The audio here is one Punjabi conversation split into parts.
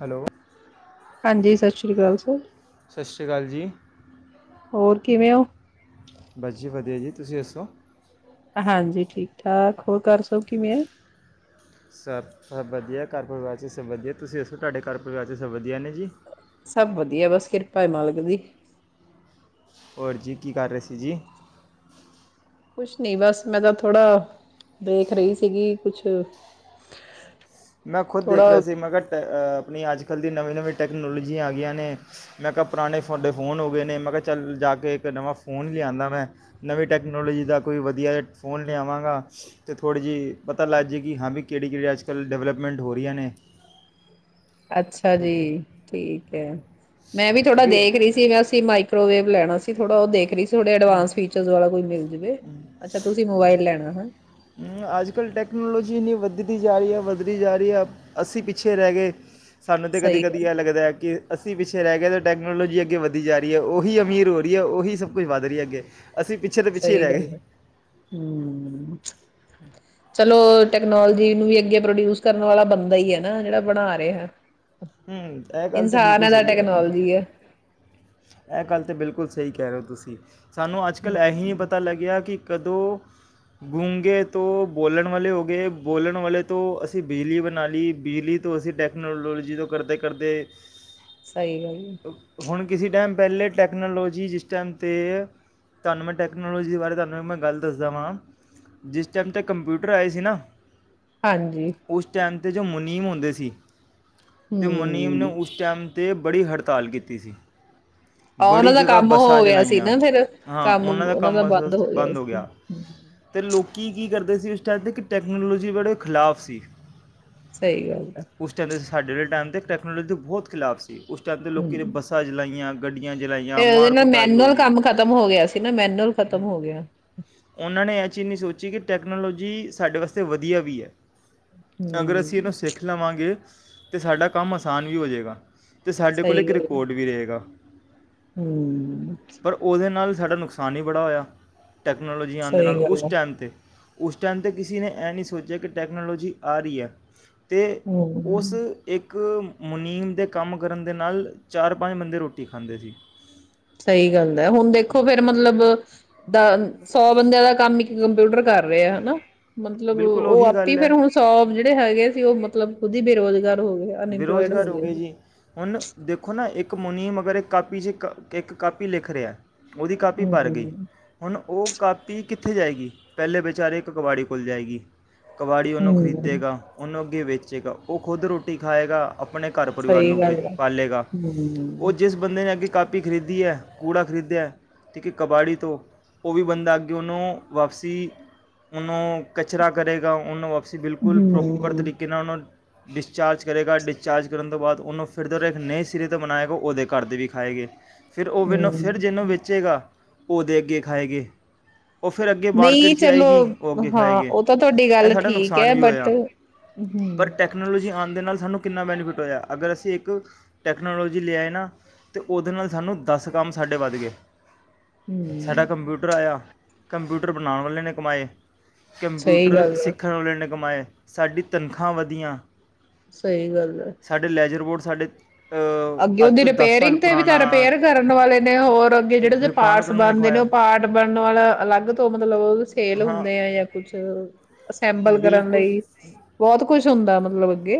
ਹੈਲੋ, ਹਾਂਜੀ, ਸਤਿ ਸ੍ਰੀ ਅਕਾਲ ਸਰ। ਸਤਿ ਸ਼੍ਰੀ ਅਕਾਲ ਜੀ। ਹੋਰ ਕਿਵੇਂ ਔ। ਬਸ ਜੀ ਵਧੀਆ ਜੀ, ਤੁਸੀਂ ਦੱਸੋ। ਹਾਂਜੀ ਠੀਕ ਠਾਕ ਹੋਰ ਘਰ ਸਭ ਕਿਵੇਂ ਐ ਸਭ, ਸਭ ਵਧੀਆ ਘਰ ਪਰਿਵਾਰ ਚ ਸਭ ਵਧੀਆ, ਤੁਸੀਂ ਦੱਸੋ ਤੁਹਾਡੇ ਘਰ ਪਰਿਵਾਰ ਚ ਸਭ ਵਧੀਆ ਨੇ ਜੀ। ਸਭ ਵਧੀਆ, ਬਸ ਕਿਰਪਾ ਹ ਮਾਲਕ ਦੀ। ਹੋਰ ਜੀ, ਕੀ ਕਰ ਰਹੇ ਸੀ ਜੀ। ਕੁਛ ਨੀ ਬਸ ਮੈਂ ਤਾਂ ਥੋੜਾ ਦੇਖ ਰਹੀ ਸੀਗੀ ਕੁਛ ਮੈਂ ਖੁਦ ਦੇਖ ਰਿਹਾ ਥੋੜਾ ਸੀ ਮੈਂ ਅ ਆਪਣੇ ਮੈ ਅੱਜ ਕੱਲ੍ਹ ਦੀ ਨਵੇਂ-ਨਵੇਂ ਟੈਕਨੋਲਜੀ ਆਗਈਆਂ ਨੇ, ਮੈਂ ਕਿਹਾ ਪੁਰਾਣੇ ਸਾਡੇ ਫੋਨ ਹੋ ਗਏ ਨੇ ਮੈਂ ਕਿਹਾ ਚਲ ਜਾ ਕੇ ਇੱਕ ਨਵਾਂ ਫੋਨ ਲਿਆਂਨਾ ਮੈਂ ਨਵੀਂ ਟੈਕਨੋਲੋਜੀ ਦਾ ਕੋਈ ਵਧੀਆ ਫੋਨ ਲਿਆਵਾਂਗਾ, ਤੇ ਥੋੜੀ ਜਿਹੀ ਪਤਾ ਲੱਗ ਜਾਏਗੀ ਹਾਂ ਵੀ ਕਿਹੜੀ ਕਿਹੜੀ ਅੱਜਕੱਲ ਡਿਵਲਪ [unintelligible] ਹੋ ਰਹੀਆਂ ਨੇ। ਅੱਛਾ ਜੀ, ਠੀਕ ਹੈ, ਮੈਂ ਵੀ ਥੋੜਾ ਕਿਉਂਕਿ ਦੇਖ ਰਹੀ ਸੀ ਮੈਂ ਅਸੀ ਮਾਈਕ [unintelligible] ਲੈਣਾ ਸੀ ਥੋੜਾ ਉਹ ਦੇਖ ਰਹੀ ਸੀ। ਥੋੜੇ ਐਡਵਾਂਸ ਫੀਚਰ ਵਾਲਾ ਕੋਈ ਮਿਲ ਜਾਵੇ, ਅੱਛਾ ਤੁਸੀ ਮੋਬਾਈਲ ਲੈਣਾ ਹੈ। ਵਧਦੀ ਜਾ ਰਹੀ ਹੈ, ਵੱਧਦੀ ਜਾ ਰਹੀ ਹੈ ਅਸੀਂ ਪਿੱਛੇ ਰਹਿ ਗਏ। ਸਾਨੂੰ ਤਾਂ ਸਹੀ ਕਦੀ-ਕਦੀ ਗੱਲ ਇਹ ਹੈ, ਲੱਗਦਾ ਐ ਕਿ ਅਸੀਂ ਵਿ ਪਿੱਛੇ ਰਹਿ ਗਏ ਨੇ ਟੈਕਨੋਲੋਜੀ ਅੱਗੇ ਵਧੀ ਜਾ ਰਹੀ ਹੈ, ਉਹੀ ਅਮੀਰ ਹੋ ਰਹੀ ਹੈ ਉਹੀ ਸ ਕੁਝ ਵਧ ਰਹੀ ਅੱਗੇ ਅਸੀਂ ਪਿੱਛੇ ਤੇ ਪਿੱਛੇ ਹੀ ਸਹੀ ਰਹਿ ਗਏ ਗੱਲ ਐ, ਹੂੰ। [unintelligible] ਚਲੋ ਟੈਕਨੋਲੋਜੀ ਨੂੰ ਵੀ ਅੱਗੇ ਪ੍ਰੋਡਿਊਸ ਕਰਨ ਵਾਲਾ ਬੰਦਾ ਈ ਐ ਨਾ ਜਿਹੜਾ ਬਣਾ ਰਿਹਾ। ਹੂੰ, ਇਹ ਗੱਲ ਤਾਂ ਬਿਲਕੁਲ ਇਨਸਾਨ ਦਾ ਸਹੀ ਹੈਗੀ। ਟੈਕਨੋਲੋਜੀ ਹੈ ਇਹ ਗੱਲ ਤਾਂ ਬਿਲਕੁਲ ਸਹੀ ਕਹਿ ਰਹੇ ਓ ਤੁਸੀਂ। ਸਾਨੂੰ ਅੱਜ ਕੱਲ੍ਹ ਇਹੀ ਹੀ ਹਮ ਪਤਾ ਲੱਗਿਆ ਕਿ ਕਦੋਂ ਗੂੰਗੇ ਤੋਂ ਬੋਲਣ ਵਾਲੇ ਹੋ ਗਏ ਬੋਲਣ ਵਾਲੇ ਤੋਂ ਅਸੀਂ ਬਿਜਲੀ ਬਣਾ ਲਈ ਬਿਜਲੀ ਤੋਂ ਅਸੀਂ ਟੈਕਨੋਲੋਜੀ ਤੋਂ ਕਰਦੇ-ਕਰਦੇ ਸਹੀ ਗੱਲ। ਕਿਸੇ ਟਾਈਮ ਪਹਿਲੇ ਟੈਕਨੋਲੋਜੀ ਜਿਸ ਟਾਈਮ ਤੇ ਤੁਹਾਨੂੰ ਮੈਂ ਟੈਕਨੋਲੋਜੀ ਦੇ ਬਾਰੇ ਤੁਹਾਨੂੰ ਮੈਂ ਗੱਲ ਦੱਸਦਾ ਵਾਂ ਜਿਸ ਟਾਈਮ ਤੇ ਕੰਪਿਊਟਰ ਆਏ ਸੀ ਨਾ ਹਾਂਜੀ। ਉਸ ਟਾਈਮ ਤੇ ਜੋ ਮੁਨੀਮ ਹੁੰਦੇ ਸੀ ਤੇ ਮਨੀਮ ਹਮ ਨੇ ਉਸ ਟਾਈਮ ਤੇ ਬੜੀ ਹੜਤਾਲ ਕੀਤੀ ਸੀ। ਆ ਬੜੀ ਉਹਨਾਂ ਦਾ ਜਗ੍ਹਾ ਕੰਮ ਬੱਸਾਂ ਹੋ ਗਿਆ ਸੀ ਜਲਾਈਆਂ, ਨਾ ਫੇਿਰ ਹਾਂ ਕੰਮ ਉਹਨਾਂ ਦਾ ਕੰਮ ਬਸ ਬਸ ਬੰਦ ਹੋ ਸੀ ਗਿਆ ਤੇ ਲੋਕ ਕੀ ਕਰਦੇ ਸੀ ਉ [unintelligible] ਟੈਕਨੋਲੋਜੀ ਵਾਲੇ ਖਿਲਾਫ ਸੀ ਸਹੀ ਗੱਲ ਆ ਉਸ ਟਾਈਮ ਦੇ ਸਾਡੇ ਵਾਲੇ ਟਾਈਮ ਦੇ ਬਹੁਤ ਖਿਲਾਫ ਅਤੇ ਉਸ ਟਾਈਮ ਦੇ ਲੋਕ ਦੀ ਬੱਸ ਫਿਰ ਉਹਦੇ ਨਾਲ ਮੈਨੂਅਲ ਹੋਈ ਕੰਮ ਖਤਮ ਹੋ ਗਿਆ ਸੀ ਨਾ। ਮੈਨੂਅਲ ਖਤਮ ਹੋ ਗਿਆ ਉਹਨਾਂ ਨੇ ਇਹ ਚੀਜ਼ ਸੋਚੀ ਕਿ ਟੈਕਨੋਲੋਜੀ ਸਾਡੇ ਵਾਸਤੇ ਵਧੀਆ ਵੀ ਹੈ। ਅਗਰ ਹਮ ਅਸੀਂ ਇਹਨੂੰ ਸਿੱਖ ਲਵਾਂਗੇ ਅਤੇ ਸਾਡਾ ਕੰਮ ਆਸਾਨ ਵੀ ਹੋ ਜਾਵੇਗਾ। ਅਤੇ ਸਾਡੇ ਕੋਲ ਸਹੀ ਇੱਕ ਗੱਲ ਆ। ਕੋਦ ਵੀ ਰਹੇਗਾ। ਹਮ ਅਤੇ ਸਾਡਾ ਨੁਕਸਾਨ ਹੀ ਬੜਾ ਹੋਇਆ। ਟੈਕਨੋਲਜੀ ਆਉਣ ਦੇ ਸਹੀ ਨਾਲ ਉਸ ਗੱਲ ਆ ਟਾਈਮ ਤੇ ਉਸ ਟਾਈਮ ਤੇ ਕਿਸੇ ਨੇ ਇਹ ਨਹੀਂ ਸੋਚਿਆ ਕਿ ਟੈਕਨੋਲੋਜੀ ਆ ਰਹੀ ਹੈ। ਤੇ ਹਮ ਉਸ ਇੱਕ ਮੁਨੀਮ ਦੇ ਕੰਮ ਕਰਨ ਦੇ ਨਾਲ ਚਾਰ ਪੰਜ ਬੰਦੇ ਰੋਟੀ ਖਾਂਦੇ ਸੀ। ਸਹੀ ਗੱਲ ਹੈ ਹੁਣ ਦੇਖੋ ਫੇਿਰ ਮਤਲਬ ਦਾ ਸੌ ਬੰਦਿਆਂ ਦਾ ਕੰਮ ਇੱਕ ਕੰਪਿਊਟਰ ਕਰ ਰਿਹਾ ਆ। ਹਨਾ ਮਤਲਬ ਬਿਲਕੁਲ ਉਹ ਉਹੀ ਆਪ ਹੀ ਗੱਲ ਹੈ ਫੇਰ ਹੁਣ ਸੋਬ ਜਿਹੜੇ ਹੈਗੇ ਉਹ ਮਤਲਬ ਖੁ ਹੀ ਬੇਰੁਜ਼ਗਾਰ ਹੋ ਗਏ ਅਨਇੰਪਲੋਇਡ ਬੇਰੁਜ਼ਗਾਰ ਹੋ ਗਏ ਜੀ ਹੁਣ ਦੇਖੋ ਨਾ ਇੱਕ ਇੱਕ ਮੁਨੀਅਮ ਮਗਰ ਇੱਕ ਕਾਪੀ ਚ ਇੱਕ ਕਾਪੀ ਲਿਖ ਰਿਹਾ ਉਹਦੀ ਕਾਪੀ ਭਰ ਗਈ ਹੂੰ ਹੁਣ ਉਹ ਕਾਪੀ ਕਿੱਥੇ ਜਾਏਗੀ? ਪਹਿਲੇ ਵਿਚਾਰੇ ਇੱਕ ਕਵਾੜੀ ਕੋਲ ਜਾਏਗੀ। ਕਬਾੜੀ ਉਹਨੂੰ ਹੂੰ ਖਰੀਦੇਗਾ ਉਹਨੂੰ ਵੇਚੇਗਾ ਉਹ ਖੁਦ ਰੋਟੀ ਰੋਟੀ ਖਾਏਗਾ ਆਪਣੇ ਘਰ ਪਰਿਵਾਰ ਸਹੀ ਨੂੰ ਵੀ ਗੱਲ ਆ ਪਾਲੇਗਾ ਉਹ ਹੂੰ। ਜਿਸ ਬੰਦੇ ਨੇ ਅੱਗੇ ਕਾਪੀ ਖਰੀਦੀ ਹੈ। ਕੂੜਾ ਖਰੀਦਿਆ ਹੈ ਠੀਕ ਹੈ ਕਬਾੜੀ ਤੋਂ ਉਹ ਵੀ ਬੰਦਾ ਅੱਗੇ ਉਹਨੂੰ ਵਾਪਸੀ ਨੂੰ ਕਚਰਾ ਕਰੇਗਾ ਉਹਨੂੰ ਵਾਪ ਅਸੀਂ ਬਿਲਕੁਲ ਪ੍ਰੋਪਰ ਹੂੰ ਤਰੀਕੇ ਨਾਲ ਉਹਨੂੰ [inaudible] ਡਚਾਰਜ ਕਰੇਗਾ ਡਿਸਚਾਰਜ ਕਰਨ ਤੋਂ ਬਾਅਦ ਉਹਨੂੰ ਫਿਰ ਜ ਇੱਕ ਨਵੇਂ ਸਿਰੇ ਤੋਂ ਬਣਾਏਆਗਾ ਉਹਦੇ ਘਰ ਤੇ ਵੀ ਖਾਏ ਗ ਫਿਰ ਓਵੇਨੂੰ ਫਿਰ ਹੂੰ ਜਿਹਨੂੰ ਵੇਚੇਗਾ। ਉਹਦੇ ਅੱਗੇ ਖਾਏ ਗਏ। ਨਹੀਂ ਚਲੋ ਹਾਂ ਖਾਏਗੇ ਉਹ ਤਾਂ ਤੁਹਾਡੀ ਇਹ ਗੱਲ ਸਾਡਾ ਠੀਕ ਨੁਕਸਾਨ ਹੈ, ਵੀ ਬਟ ਹੋਇਆ ਪਰ ਹੂੰ। ਟੈਕਨੋਲੋਜੀ ਆਉਣ ਦੇ ਨਾਲ ਸਾਨੂੰ ਕਿੰਨਾ ਬੈਨੀਫਿਟ ਹੋਇਆ ਅਗਰ ਅਸੀਂ ਇੱਕ ਟੈਕਨੋਲੋਜੀ ਲਿਆ ਏ ਨਾ ਅਤੇ ਉਹਦੇ ਨਾਲ ਸਾਨੂੰ ਦਸ ਕੰਮ ਸਾਡੇ ਵੱਧ ਗਏ। ਸਾਡਾ ਹੂੰ ਕੰਪਿਊਟਰ ਆਇਆ, ਕੰਪਿਊਟਰ ਬਣਾਉਣ ਵਾਲਿਆਂ ਨੇ ਕਮਾਏ। ਸਹੀ ਕੰਪਿਊਟਰ ਗੱਲ ਆ ਸਿੱਖਣ ਵਾਲੇ ਨ ਕਮਾਏ ਸਾਡੀ ਤਨਖਾਹ ਵਧੀਆਂ ਸਹੀ ਗੱਲ ਹੈ। ਸਾਡੇ ਲੈਜਰ ਬੋਰਡ ਸਾਡੇ, ਅ, ਅੱਗੇ ਅੱਜ ਉਹਦੀ ਤੋਂ ਸਾਲ ਰਿਪੇਅਰਿੰਗ ਤੇ ਵੀ ਪੁਰਾਣਾ ਤਾਂ ਰਿਪੇਅਰ ਕਰਨ ਵਾਲੇ ਨੇ ਹੋਰ ਅੱਗੇ ਜਿਹੜੇ ਰਿਪਾਨ ਪਾਰਟਸ ਕਰਨ ਵਾਲੇ ਬਣਦੇ ਨੇ ਉਹ ਕਮਾਇਆ ਪਾਰਟ ਬਣਨ ਵਾਲਾ ਅਲੱਗ ਤੋਂ ਮਤਲਬ ਸੇਲ ਹਾਂ ਹੁੰਦੇ ਆ ਜਾਂ ਕੁਛ। ਆ ਅਸੈਂਬਲ ਕਰਨ ਬਿਲਕੁਲ ਲਈ ਬਹੁਤ ਕੁਛ ਹੁੰਦਾ ਐ। ਮਤਲਬ ਅਗੇ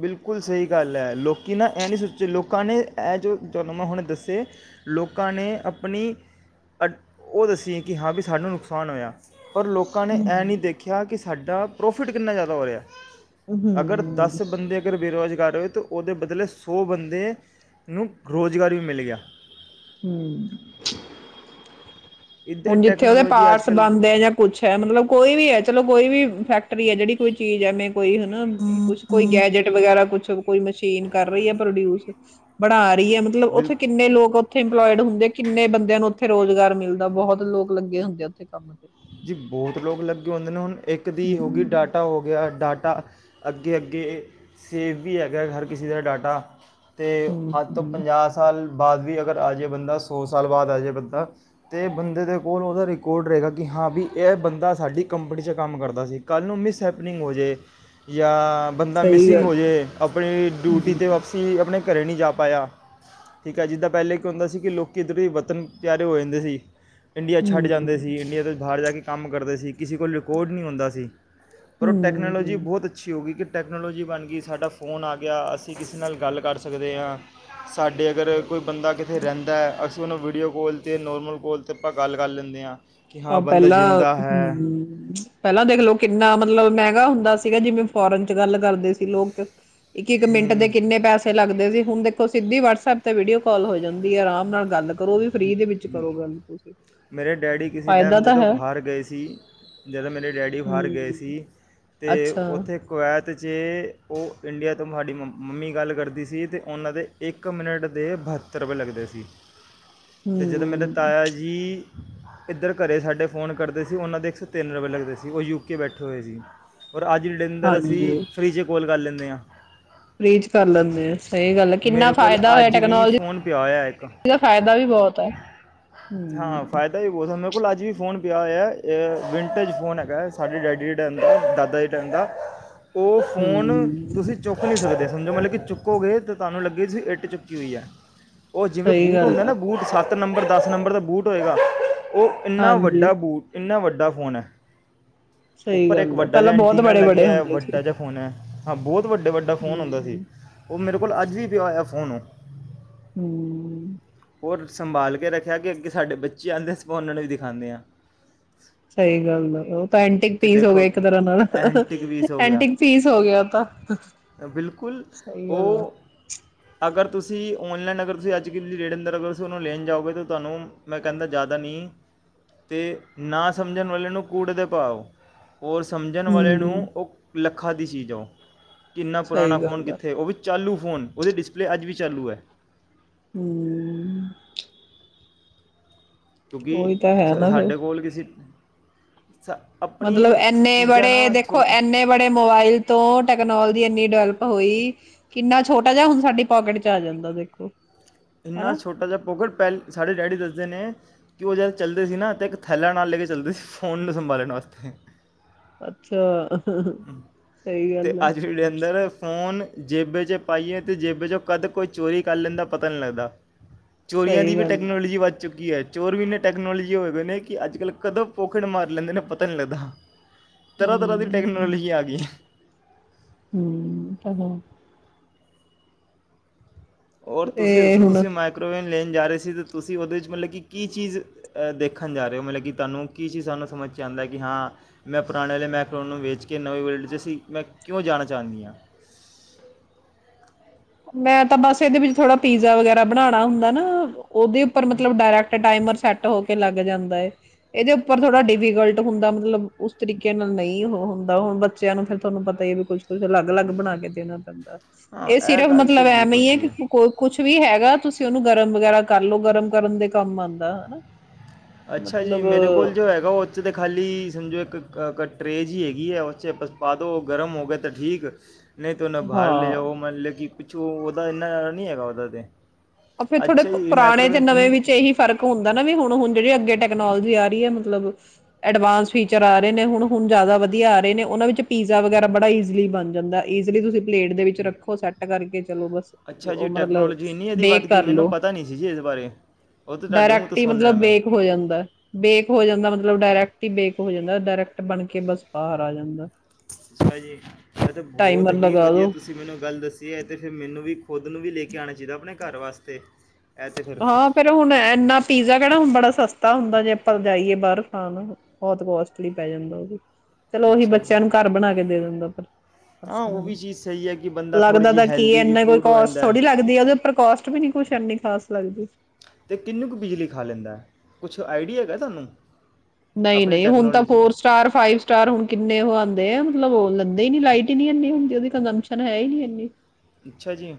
ਬਿਲਕੁਲ ਸਹੀ ਗੱਲ ਹੈ, ਲੋਕੀ ਨਾ ਇਹਂ ਨਹੀਂ ਸੋਚੇ ਲੋਕਾਂ ਨੇ ਇਹ ਜੋ ਜਦੋਂ ਮੈਂ ਹੁਣੇ ਦੱਸੇ ਲੋਕਾਂ ਨੇ ਆਪਣੀ ਅ ਉਹ ਦੱਸੀਸੀ ਕਿ ਹਾਂ ਵੀ ਸਾਨੂੰ ਨੁਕਸਾਨ ਹੋਇਆ। ਪਰ ਲੋਕਾਂ ਨੇ ਹੂੰ ਐਂ ਨਹੀਂ ਦੇਖਿਆ ਕਿ ਸਾਡਾ ਪ੍ਰੋਫਿਟ ਕਿੰਨਾ ਜ਼ਿਆਦਾ ਹੋਇਆ [inaudible] ਹੂੰ ਦਸ ਬੰਦੇ ਅਗਰ ਬੇਰੁਜ਼ ਜ਼ਦ ਉੱਥੇ ਉਹਦੇ ਬਦਲੇ ਸੌ ਬੰਦੇ ਨੂੰ ਰੁਜ਼ਗਾਰ ਵੀ ਮਿਲ ਗਿਆ। ਹੂੰ [inaudible] ਇੱਦਾਂ ਹੁਣ ਜਿੱਥੇ ਉਹਦੇ ਟੈਕਨੋਲੋਜੀ ਅੱਜ ਪਾਰਟਸ ਕੱਲ੍ਹ ਬਣਦੇ ਹੈ, ਜਾਂ ਕੁੱਛ ਹੈ ਮਤਲਬ ਕੋਈ ਵੀ ਹੈ ਚਲੋ ਕੋਈ ਵੀ ਫੈਕ ਰੀ ਜਿਹੜੀ ਕੋਈ ਚੀਜ਼ ਹੈ ਮ ਕੋਈ ਹਨਾ ਕੁਛ ਕੋਈ ਗੈਜਟ ਵਗੈਰਾ ਕੁਛ ਕੋਈ ਮਸ਼ੀਨ ਕਰ ਰਹੀ ਏ ਪ੍ਰੋਡਿਊਸ ਬਣਾ ਰ [unintelligible] ਏਹੀ ਹੈ ਮਤਲਬ ਬਿਲਕੁਲ ਉੱਥੇ ਕਿੰਨੇ ਲੋਕ ਉੱਥੇ ਇੰਪਲੋਇਡ ਹੁੰਦੇ ਆ ਕਿੰਨੇ ਬੰਦ ਨੂੰ ਉੱਥੇ ਰੁਜ਼ਗਾਰ ਮਿਲਦਾ ਬਹੁਤ ਲੋਕ ਲੱਗੇ ਹੁੰਦੇ ਆ ਉੱਥੇ ਕੰਮ ਤੇ ਜੀ ਬਹੁਤ ਲੋਕ ਲੱਗੇ ਹੁੰਦੇ ਨੇ ਹੁਣ ਇੱਕ ਦੀ ਹੋ ਗਈ ਹਮ ਡਾਟਾ ਹੋ ਗਿਆ ਡਾਟਾ। ਅੱਗੇ, ਅੱਗੇ ਸੇਵ ਵੀ ਹੈਗਾ ਹਰ ਕਿਸੇ ਦਾ ਡਾਟਾ ਤੇ ਹਮ ਅੱਜ ਤੋਂ ਹਮ ਪੰਜਾਹ ਸਾਲ ਬਾਅਦ ਵੀ ਅਗਰ ਆ ਜਾਵੇ ਬੰਦਾ ਸੌ ਸਾਲ ਬਾਅਦ ਆ ਜਾਵੇ, ਬੰਦਾ ਅਤੇ ਬੰਦੇ ਦੇ ਕੋਲ ਉਹਦਾ ਰਿਕਾਰਡ ਰਹੇਗਾ। ਕਿ ਹਾਂ ਵੀ ਇਹ ਬੰਦਾ ਸਾਡੀ ਕੰਪਨੀ ਚ ਕੰਮ ਕਰਦਾ ਸੀ, ਕੱਲ੍ਹ ਨੂੰ ਮਿਸਹੈਪਨਿੰਗ ਹੋਜੇ, ਜਾਂ ਬੰਦਾ ਸਹੀ ਮਿਸਿੰਗ ਗੱਲ ਹੋ ਜੇ ਆਪਣੀ ਡਿਊਟੀ ਤੇ ਹਮ ਵਾਪਸੀ ਆਪਣੇ ਘਰੇ ਨਹੀਂ ਜਾ ਪਾਇਆ ਠੀਕ ਹੈ, ਜਿੱਦਾਂ ਪਹਿਲੇ ਕੀ ਹੁੰਦਾ ਸੀ ਕਿ ਲੋਕ ਇੱਧਰ ਦੇ ਵਤਨ ਪਿਆਰੇ ਹੋ ਜਾਂਦੇ ਸੀ। ਇੰਡੀਆ ਛੱਡ ਜਾਂਦੇ ਹਮ ਸੀ ਇੰਡੀਅਨ ਬਾਹਰ ਜਾ ਕੇ ਕੰਮ ਕਰਦੇ ਸੀ, ਕਿਸੇ ਕੋਲ ਰਿਕੋਰਡ ਨਹੀਂ ਹੁੰਦਾ ਸੀ ਪਰ ਉਹ ਟੈਕਨੋਲੋਜੀ ਹਮ ਬਹੁਤ ਅੱਛੀ ਹੋਗੀ ਕਿ ਟੈਕਨੋਲੋਜੀ ਬਣ ਗਈ ਸਾਡਾ ਫ਼ੋਨ ਆ ਗਿਆ ਅਸੀਂ ਕਿਸੇ ਨਾਲ ਗੱਲ ਕਰ ਸਕਦੇ ਹਾਂ ਸਾਡੇ ਅਗਰ ਕੋਈ ਬੰਦਾ ਕਿਤੇ ਰਹਿੰਦਾ ਅਸੀਂ ਉਹਨੂੰ ਵੀਡੀਓ ਕੋਲ ਤੇ ਨੋਰਮਲ ਕੋਲ ਤੇ ਆਪਾਂ ਗੱਲ ਕਰ ਲੈਂਦੇਂ ਹਾਂ ਕਿ ਹਾਂ ਉਹ ਬੰਦਾ ਪਹਿਲਾਂ, ਜਿੰਦਾ ਹੈ [inaudible] ਪਹਿਲਾਂ ਦੇਖਲਓ ਕਿੰਨਾ ਮਤਲਬ ਮੈਂ [unintelligible] ਹੁੰਦਾ ਸੀਗਾ ਜਿਵੇਂ ਫੋਰਨ ਚ ਗੱਲ ਕਰਦੇ ਸੀ ਲੋਕ ਇੱਕ-ਇੱਕ ਮਿੰਟ ਦੇ ਹੂੰ ਕਿੰਨੇ ਪੈਸੇ ਲੱਗਦੇ ਸੀ ਹੁਣ ਦੇਖੋ ਸਿੱਧੀ ਵਟਸਐਪ ਤੇ ਵੀਡੀਓ ਕਾਲ ਹੋ ਜਾਂਦੀ ਹੈ ਆਰਾਮ ਨਾਲ ਗੱਲ ਕਰੋ ਵੀ ਫਰੀ ਦੇ ਵਿੱਚ ਕਰੋ ਗੱਲ ਤੁਸੀਂ ਮੇਰੇ ਡੈਡੀ ਕਿਸੇ ਫਾਇਦਾ ਟਾਈਮ ਤਾਂ ਜਦੋਂ ਹੈ ਬਾਹਰ ਗਏ ਸੀ, ਜਦੋਂ ਮੇਰੇ ਡੈਡੀ ਬਾਹਰ ਗਏ ਹਮ ਸੀ ਤੇ ਅੱਛਾ ਉੱਥੇ ਕੁਵੈਤ ਤ ਜੇ ਉਹ ਇੰਡੀਆ ਤੋਂ ਮਹਾਲੀ ਮੰਮੀ ਗੱਲ ਕਰਦੀ ਸੀ, ਤੇ ਉਹਨਾਂ ਦੇ ਇੱਕ ਮਿੰਟ ਦੇ ਬਹੱਤਰ ਰੁਪਏ ਲੱਗਦੇ ਸੀ। ਤੇ ਜਦੋਂ ਮੇਰੇ ਹਮ ਤਾਇਆ ਜੀ ਇੱਧਰ ਘਰੇ ਸਾਡੇ ਫ਼ੋਨ ਕਰਦੇ ਸੀ, ਉਹਨਾਂ ਦੇ ਇੱਕ ਸੌ ਤਿੰਨ ਰੁਪਏ ਲੱਗਦੇ ਸੀ, ਉਹ ਯੂਕੇ ਬੈਠੇ ਹੋਏ ਸੀ। ਫੇਰ ਅੱਜ [unintelligible] ਅਸੀਂ ਫਰੀ ਚ ਕੋਲ ਕਰ ਲੈਂ ਨੇ ਹਾਂ। ਲੀਚ ਕਰ ਲੈਂਦੇ ਆ। ਸਈ ਗੱਲ ਐ। ਕਿੰਨਾ ਮੇਰੇ ਕੋਲ ਫਾਇਦਾ ਹੋਇਆ ਅੱਜ ਵੀ ਟੈਕਨੋਲੋਜੀ, ਫੋਨ ਪਿਆ ਹੋਇਆ ਇੱਕ ਦਾ ਫਾਇਦਾ ਵੀ ਬਹੁਤ ਹੈ ਹਮ ਹਾਂ, ਫਾਇਦਾ ਈ ਬੋਤ ਹੁੰਦ, ਮੇਰੇ ਕੋਲ ਅੱਜ ਹੀ ਫੋਨ ਪਿਆ ਹੋਇਐ, ਅ ਵਿੰਟੇਜ ਫੋਨ ਹੈਗਾ ਸਾਡੇ ਡੈਡੀ ਦੇ ਟਾਈਮ ਦਾ, ਦਾਦਾ ਜੀ ਦੇ ਟਾਈਮ ਦਾ। ਉਹ ਫੋਨ ਹਮ ਤੁਸੀ ਚੁੱਕ ਨਹੀਂ ਸਕਦੇ ਸਮਝੋ ਮਤਲਬ ਕਿ ਚੁੱਕ ਚੁੱਕੋਗੇ ਤਾਂ ਤੁਹਾਨੂੰ ਲੱਗੇ ਅਸੀ ਇੱਟ ਚੁੱਕੀ ਹੋਈ ਐ। ਉਹ ਜਿਵੇਂ ਸਹੀ ਬੂਟ ਗੱਲ ਹੁੰਦੇ ਹੈ ਨਾ ਸੱਤ ਨੰਬਰ, ਦਸ ਨੰਬਰ ਦਾ ਬੂਟ ਹੋਏਗਾ। ਉਹ ਇੰਨਾ ਹਾਂਜੀ ਵੱਡਾ ਬੂਟ, ਇੰਨਾ ਵੱਡ ਡਾ ਫੋਨ ਹੈ। ਸਹੀ ਉੱਪਰ ਇੱਕ ਗੱਲ ਹੈ ਵੱਡਾ ਜਿਆ ਪਹਿਲਾਂ ਬਹੁਤ ਐੰਟੀਨਾ ਬੜੇ ਬੜੇ ਲੱਗਿਆ ਇਐ, ਹੁੰਦੇ ਸੀ ਵੱਡਾ ਜਿਹਾ ਫੋਨ ਐ। ਹਾਂ ਬੋਤ ਵੱਡਾ-ਵੱਡਾ ਫੋਨ ਹੁੰਦਾ ਹਮ ਸੀ। ਉਹ ਮੇਰੇ ਕੁੱਲ ਅੱਜ ਈ ਪਿਆ ਹੋਇਆ ਫੋਨ ਉਹ। ਹੂੰ। ਔਰ ਸੰਭਾਲ ਕੇ ਰੱਖਿਆ ਅੱਗੇ-ਅੱਗੇ ਸਾਡੇ ਬੱਚੇ ਆਂਦੇ ਸਭ ਉਹਨਾਂ ਨੂੰ ਵੀ ਦਿਖਾਣੇਂ ਆਂ। ਸਈ ਗੱਲ ਐ ਔ ਪੈਂਟਿਕ ਪੀਸ ਹੋ ਗਏ ਇੱਕ ਤਰ੍ਹਾਂ ਦਾ, ਐਂਟੀਕ ਪੀਸ ਹੋ ਗਿਆ ਐਂਟਿਕ ਪੀਸ ਹੋ ਗਿਆ ਔ ਤਾਂ। ਬਿਲਕੁਲ ਤੁਸੀ ਔਨਲਾਈਨ ਅਗਰ ਤੁਸੀਂ ਅੱਜ ਕੱਲ੍ਹ ਦੀ ਡੇਟ ਅੰਦਰ ਅਗਰ ਤੁਸੀਂ ਉਹਨੂੰ ਲੈਣ ਜਾਓਗੇ ਤੇ ਤੁਹਾਨੂੰ ਮੈਂ ਕਹਿੰਦਾ ਜ਼ਿਆਦਾ ਨੀ ਤੇ ਨਾ ਸਮਝਣ ਵਾਲੇ ਨੂੰ ਕੂੜੇ ਦੇ ਭਾਓ। ਹੋਰ ਸਮਝਣ ਵਾਲੇ ਨੂੰ ਹੂੰ ਉਹ ਲ ਖਾਂ ਦੀ ਚੀਜ਼ ਔ। ਕਿੰਨਾ ਪੁਰਾਣਾ ਸਹੀ ਫੋਨ ਗੱਲ ਆ ਕਿੱਥੇ ਉਹ ਵੀ ਚਾਲੂ ਫੋਨ, ਉਹਦੇ ਡਿਸਪਲੇਅ ਅੱਜ ਵੀ ਚਾਲੂ ਐ। ਹੂੰ। ਕਿਉਂਕਿ ਉਹੀ ਤਾਂ ਹੈ ਜ਼ ਨਾ ਫਿਰ ਸਾਡੇ ਕੋਲ ਕਿਸੀ ਮਤਲਬ ਐੰਨੇ ਚੀਜ਼ਾਂ ਬੜੇ ਨਾ ਦੇਖੋ ਛੋਟੀ ਐੰਨੇ ਬੜੇ ਮੋਬਾਇਲ ਤੋਂ ਟੈਕਨੋਲੋ ਦੀ ਇੰਨੀ ਡਿਵੈਲਪ ਹੋਈ, ਕਿੰਨਾ ਛੋਟਾ ਜਿਹਾ ਹੁਣ ਸਾਡੀ ਪਾਕਿਟ ਚ ਆ ਜਾਂਦਾ, ਦੇਖੋ। ਇੰਨਾ ਹਨਾ ਛੋਟਾ ਜਿਹਾ ਪੋਕਟ ਪੈ ਸਾਡੇ ਡੈਡੀ ਦੱਸਦੇ ਨੇ ਕਿ ਉਹ ਜਦ ਚੱਲਦੇ ਸੀ ਨਾ ਤਾਂ ਇੱਕ ਥੈਲਾਂ ਨਾਲ ਲੈ ਕੇ ਚੱਲਦੇ ਸ ਫੋਨ ਨੂੰ ਸੰਭਾਲਣ ਵਾਸਤੇ। ਅੱਛਾ। ਸਹੀ ਤੇ ਗੱਲ ਆ ਅੱਜ ਵੀ ਲੇਂਦੇ ਨੇ ਫੋਨ ਜੇਬੇ ਚ ਪਾਈਏ ਤੇ ਜੇਬੇ ਚੋ ਕਦ ਕੋਈ ਚੋਰੀ ਕਰ ਲੇਂਦਾ ਪਤਾ ਈ ਨੀ ਲਗਦਾ। ਚੋਰੀਆਂ ਦੀ ਸਹੀ ਵੀ ਗੱਲ ਆ ਟੈਕਨੋਲੋਜੀ ਵੱਧ ਚੁੱਕੀ ਐ। ਚੋਰ ਵੀ ਇੰਨੇ ਟੈਕਨੋਲਜੀ ਹੋਏ ਵਏ ਨੇ ਕਿ ਅੱਜ ਕੱਲ੍ਹ ਕਦੋਂ ਪੋਕਿਟ ਮਾਰ ਲੈਂਦੇ ਨੇ ਪਤਾ ਈ ਨੀ ਲੱਗਦਾ। ਤਰ੍ਹਾਂ ਤਰ੍ਹਾਂ ਦੀ ਹ ਟੈਕਨੋਲੋਜੀ ਆ ਗਈ ਹੈ ਹਮ ਹਂ-ਹਂ। ਹੋਰ ਤੁਸੀਂ ਇਹ ਦੱਸੋ ਹੁਣ ਤੁਸੀਂ ਮਾਈਕਰੋਵੇਵ [unintelligible] ਤੁਸੀਂ ਉਹਦੇ ਜੀਵਨ ਲੱਗੇ ਕੀ ਚੀਜ਼ ਦੇਖਣ ਚਾਹ ਰਹੇ ਮਤਲਬ ਕਿ ਤੁਹਾਨੂੰ ਕੀ ਚੀਜ਼ ਸਾਨੂੰ ਸਮਝ ਆਦਾ ਕਿ ਹਾਂ ਮੈਂ ਪੁਰਾਣੇ ਵਾਲੇ ਨੂੰ ਵੇਚ ਕੇ ਨਵੇਂ ਵਰਡ ਸੀ ਮੈਂ ਕਿਉਂ ਜਾਣਾ ਚਾਹੁੰਨੀ ਆਂੜ ਮੈਂ ਤਾਂ ਬਸ ਇਹਦੇ ਵਿੱਚ ਥੋੜਾ ਪੀਜ਼ਾ ਵਗੈਰਾ ਬਣਾਣਾ ਹੁੰਦਾ ਨਾ, ਉਹਦੇ ਉੱਪਰ ਮਤਲਬ ਡਾਇਰੈਕ ਟਾਈਮਰ ਸੈੱਟ ਹੋ ਕੇ ਲੱਗ। ਜਾਂਦਾ ਹੈ, ਇਹਦੇ ਉੱਪਰ ਥੋੜ੍ਹਾ ਡੀਫੀਕਲਟ ਹੁੰਦਾ ਮਤਲਬ ਉਸ ਤਰੀਕੇ ਨਾਲ ਨਹੀਂ ਹੁੰਦਾ, ਹੁਣ ਬੱਚਿਆਂ ਨੂੰ ਫਿਰ ਤੁਹਾਨੂੰ ਪਤਾ ਵੀ ਕੁੱਛ ਕੁ ਅਲੱਗ ਅਲੱਗ ਬਣਾ ਕੇ ਦੇਣਾ ਪੈਂਦਾ ਹਾਂ ਇਸ ਇਹ ਗੱਲ ਤੇ ਮਤਲਬ ਐਵੇ ਬਿਲਕੁਲ ਹੀ ਹੈ ਸਹੀ ਕਿ ਕੋਈ ਕੁਛ ਵੀ ਹੈਗਾ, ਤੁਸੀਂ ਉਹਨੂੰ ਗਰਮ ਵਗੈਰਾ ਕਰ ਲੋ ਗਰਮ ਕਰਨ ਦੇ ਕੰਮ ਆਉਂਦਾ ਹਨਾ। ਅੱਛਾ ਜੀ ਮਤਲਬ ਮੇਰੇ ਕੋਲ ਜੋ ਹੈਗਾ, ਉਹ ਔਚ ਤੇ ਖਾਲੀ ਸਮਝੋ ਇੱਕ ਕੱਟ ਕਰੇਜ਼ ਹੀ ਹੈਗੀ ਹੈ, ਉਹ ਪਾ ਦਿਉ ਗਰਮ ਹੋ ਗਿਆ ਏ ਤਾਂ ਠੀਕ, ਨਹੀਂ ਤੇ ਉਹਨਾਂ ਬਾਹਰ ਲੈ ਹਾਂ ਜਾਓ ਉਹ ਮਨ ਲੇ ਜੀ, ਪਿੱਛੋਂ ਉਹਦਾ ਇੰਨਾ ਜਿਆਦਾ ਨੀ ਹੈਗਾ ਉਹਦਾ ਤੇ, ਫਿਰ ਥੋੜੇ ਅੱਛਾ ਜੀ ਪੁਰਾਣੇ ਤੇ ਮਾਈਕ੍ਰੋਵੇਵ ਨਵੇਂ ਇਨ ਵਿੱਚ ਇਹੀ ਫ਼ਰਕ ਹੁੰਦਾ ਨਾ ਵੀ ਹੁਣ ਹੁਣ ਜਿਹੜੀ ਅੱਗੇ ਟੈਕਨੋਲੋਜੀ ਆ ਰਹੀ ਹੈ, ਮਤਲਬ ਅਡਵਾਂਸ ਫੀਚਰ ਆ ਰਹੇ ਨੇ ਹੁਣ ਹੁਣ ਜਿਆਦਾ ਵਧੀਆ ਆ ਰਹੇ ਨੇ ਉਹਨਾਂ ਵਿੱਚ ਪੀਜ਼ਾ ਵਗੈਰਾ ਬੜਾ ਈਜਲੀ ਬਣ ਜਾਂਦਾ ਈਜ਼ਲੀ ਤੁਸੀਂ ਪਲੇਟ ਦੇ ਵਿੱਚ ਰੱਖੋ ਸੈੱਟ ਕਰ ਅੱਛਾ ਜੀ ਉਹ ਮਤਲਬ ਟੈਕਨੋਲੋਜੀ ਇੰਨੀ ਇਹਦੀ ਵੱਧ ਬੇਕ ਗਈ ਮੈਨੂੰ ਕਰਲੋ ਪਤਾ ਨਹੀਂ ਸੀ ਜੀ ਇਸ ਬਾਰੇ ਉਹ ਤਾਂ ਤੁਹਾਡੇ ਮੂੰਹ ਤੋਂ ਡਾਇਰੈਕਟ ਸੁਣ ਰਿਹਾ ਮਤਲਬ ਮੈਂ ਬੇਕ ਹੋ ਜਾਂਦਾ ਬੇਕ ਹੋ ਜਾਂਦਾ ਮਤਲਬ ਡਾਇਰੈਕਟ ਹੀ ਬੇਕ ਹੋ ਜਾਂਦਾ ਡਾਇਰੈਕਟ ਬਣ ਕੇ ਬਸ ਬਾਹਰ ਆ ਜਾਂਦਾ। ਅੱਛਾ ਜੀ ਏਹ ਤੇ ਬਹੁਤ ਟਾਈਮਰ ਹੀ ਲਗਾ ਵਧੀਆ ਦੋ ਤੁਸੀਂ ਮੈਨੂੰ ਗੱਲ ਦੱਸੀ ਹੈ ਤੇ ਫਿਰ ਮੈਨੂੰ ਵੀ ਖੁਦ ਨੂੰ ਵੀ ਲੈ ਕੇ ਆਉਣਾ ਚਾਹੀਦਾ ਆਪਣੇ ਘਰ ਵਾਸਤੇ ਐ ਤੇ ਫਿਰ ਹਾਂ ਫ ਹੁਣ ਇਨਾ ਪੀਜ਼ਾ ਕਿਹੜਾ ਹੁਣ ਬੜਾ ਸਸਤਾ ਹੁੰਦਾ ਜੇ ਆਪਾਂ ਜਾਈਏ ਬਾਹਰ ਖਾਣ ਬਹੁਤ ਕੋਸਟਲੀ ਪੈ ਜਾਂਦਾ ਉਹ। ਚਲੋ ਉਹੀ ਅੱਛਾ ਜੀ ਬੱਚਿਆਂ ਨੂੰ ਘਰ ਬਣਾ ਕੇ ਦੇ ਦਿੰਦਾ ਪਰ, ਹਾਂ ਉਹ ਵੀ ਚੀਜ਼ ਸਹੀ ਹੈ ਕਿ ਬੰਦਾ ਥੋੜੀ ਲੱਗਦਾ ਜੀ ਤਾਂ ਕੀ ਹੈਲਦੀ ਵੀ ਇਨਾ ਕੋਈ ਫੂਡ ਹੋ ਕੋਸਟ ਜਾਂਦਾ ਥੋੜੀ ਲੱਗਦੀ ਹੈ ਉਹਦੇ ਉੱਪਰ ਕੋਸਟ ਵੀ ਨੀ ਕੁਛ ਇਨੀ। ਖਸ [inaudible] [unintelligible] ਅਤੇ ਕਿੰਨੀ ਕੁ ਬਿਜਲੀ ਖਾ ਲੈਂਦਾ ਹੈ। ਕੁਛ ਆਈਡੀਆ ਹੈਗਾ ਤੁਹਾਨੂੰ? ਨਹੀਂ ਆਪਣੀ ਨਹੀਂ ਹੁਣ ਤਾਂ technology four star, five star ਹੁਣ ਕਿੰਨੇ ਉਹ ਆਉਂਦੇ ਆ ਮਤਲਬ ਲੈਂਦੇ ਹੀ ਨੀ ਲਾਈਟ ਹੀ ਨੀ ਇੰਨੀ ਹੁੰਦੀ ਉਹਦੀ ਕੰਜਮਪਸ਼ਨ ਹੈ ਹੀ ਨੀ ਇੰਨੀ। ਅੱਛਾ ਜੀ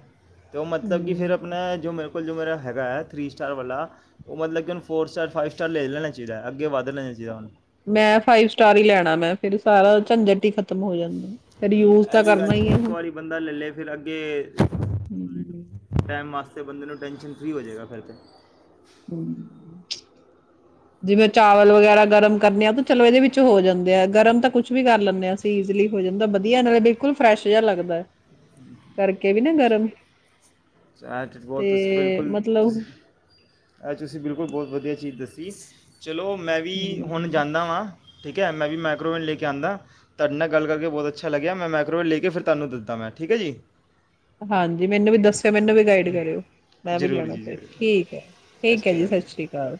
ਤਾਂ ਮਤਲਬ ਕਿ ਫਿਰ ਹਮ ਆਪਣਾ ਜੋ ਮੇ ਲ ਜੋ ਮੇਰਾ ਹੈਗਾ ਹੈ ਥਰੀ ਸਟਾਰ ਵਾਲਾ ਉਹ ਮਤਲਬ ਕਿਨ ਫੋਰ ਸਟਾਰ, ਫਾਈਵ ਸਟਾਰ ਲੈ ਲੈਣਾ ਚਾਹੀਦਾ ਹੈ। ਅੱਗੇ ਵਧ ਲੈਣਾ ਚਾਹੀਦਾ ਹੁਣ ਮੈਂ ਫਾਈਵ ਸਟਾਰ ਹੀ ਲੈਣਾ ਮੈਂ ਫੇਿਰ ਸਾਰਾ ਝੰਜਟ ਹੀ ਖਤਮ ਹੋ ਜਾਂਦੀ। ਐਵੀ ਗੱਲ ਇੱਕ ਵਾਰੀ ਬੰਦਾ ਲੈ ਲੈ ਫਿਰ ਅੱਗੇ ਹਮ ਟੈਮ ਮਾ ਬੰਦੇ ਨੂੰ ਟੈਂਸ਼ਨ ਫਰੀ ਹੋ ਜਾਵੇਗਾ ਫਿਰ ਤਾਂ। [inaudible] ਜਿਵੇਂ ਚਾਵਲ ਵਗੈਰਾ ਗਰਮ ਕਰਨੇ ਆ ਤੇ ਚਲੋ ਇਹਦੇ ਵਿੱਚ ਹੋ ਜਾਂਦੇ ਆ ਗਰਮ ਤਾਂ ਕੁਛ ਵੀ ਕਰ ਲੈਂਦੇ ਹਾਂ ਅਸੀਂ ਈਜ਼ਲੀ ਹੋ ਜਾਂਦਾ ਵਧੀਆ ਨਾਲੇ ਬਿਲਕੁਲ ਫਰੈਸ਼ ਜਿਹਾ ਲੱਗਦਾ, ਕਰਕੇ ਵੀ ਨਾ ਗਰਮ। ਚਾਹ ਫੁਟਬਲ [unintelligible] ਤੇ ਤੁਸੀ ਬਿਲਕੁਲ ਮਤਲਬ ਤੁਸੀ ਅ ਤੁਸੀਂ ਬਿਲਕੁਲ ਬਹੁਤ ਵਧੀਆ ਚੀਜ਼ ਦੱਸੀ ਚਲੋ ਮੈਂ ਵੀ ਹੁਣ ਹਮ, ਜਾਂਦਾ ਵਾਂ। ਠੀਕ ਹੈ ਮੈਂ ਵੀ ਮਾਈਕਰੋਵੇਵ ਲੈ ਕੇ ਆਉਂਦਾ, ਤੁਹਾਡੇ ਨਾਲ ਗੱਲ ਕਰਕੇ ਬਹੁਤ ਅੱਛਾ ਲੱਗਿਆ। ਮੈਂ ਮਾਈਕਰੋਵੇਵ ਲੈ ਕੇ ਫਿਰ ਤੁਹਾਨੂੰ ਦੱਸਦਦਾ ਮੈਂ ਠੀਕ ਹੈ ਜੀ। ਹਾਂਜੀ ਮੈਨੂੰ ਵੀ ਦੱਸਓ ਮੈਨੂੰ ਵੀ ਗਾਈਡ ਕਰਿਓ ਮੈਂ ਵੀ ਜ਼ਰੂਰ ਲੈਣਾ ਜੀ ਫਿਰ ਜ਼ਰੂਰ ਠੀਕ ਹੈ ਸਤਿ ਠੀਕ ਹੈ ਸ਼੍ਰੀ ਜੀ ਅਕਾਲ ਸਤਿ ਸ੍ਰੀ ਅਕਾਲ।